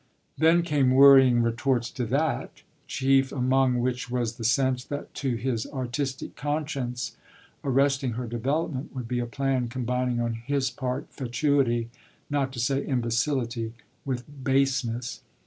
Then came worrying retorts to that, chief among which was the sense that to his artistic conscience arresting her development would be a plan combining on his part fatuity, not to say imbecility, with baseness.